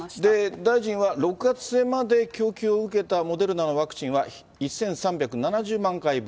大臣は６月末まで供給を受けたモデルナのワクチンは１３７０万回分。